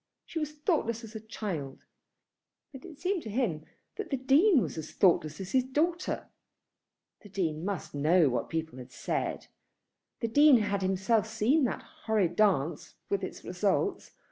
She was thoughtless as a child; but it seemed to him that the Dean was as thoughtless as his daughter. The Dean must know what people had said. The Dean had himself seen that horrid dance, with its results.